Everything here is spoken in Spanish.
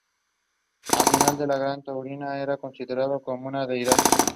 Al final, el Gran Tlatoani era considerado como una deidad.